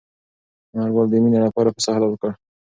انارګل د مېنې لپاره پسه حلال کړ.